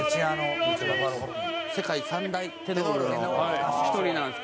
世界三大テノールの１人なんですけど。